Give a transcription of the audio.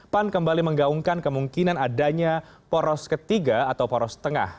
pan kembali menggaungkan kemungkinan adanya poros ketiga atau poros tengah